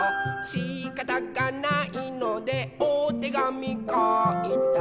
「しかたがないのでおてがみかいた」